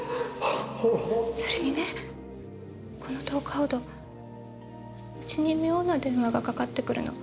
それにねこの１０日ほど家に妙な電話がかかってくるの。